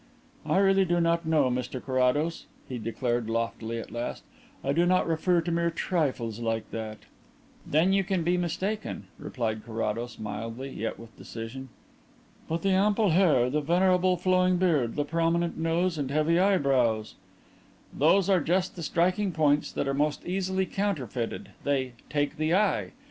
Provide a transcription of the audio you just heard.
"I really do not know, Mr Carrados," he declared loftily at last. "I do not refer to mere trifles like that." "Then you can be mistaken," replied Carrados mildly yet with decision. "But the ample hair, the venerable flowing beard, the prominent nose and heavy eyebrows " "These are just the striking points that are most easily counterfeited. They 'take the eye.'